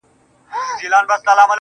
بې له تانه په مه هره ورځ قيامت دې